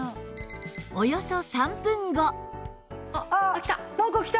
およそ３分後